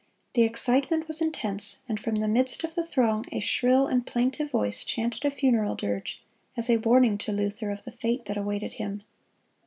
The excitement was intense, and from the midst of the throng a shrill and plaintive voice chanted a funeral dirge, as a warning to Luther of the fate that awaited him.